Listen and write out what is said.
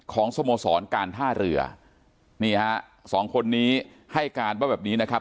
สโมสรการท่าเรือนี่ฮะสองคนนี้ให้การว่าแบบนี้นะครับ